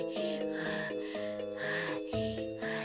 はあはあ。